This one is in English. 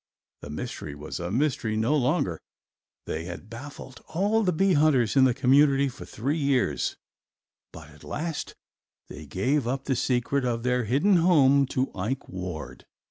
The mystery was a mystery no longer. They had baffled all the bee hunters in the community for three years, but at last they gave up the secret of their hidden home to Ike Ward.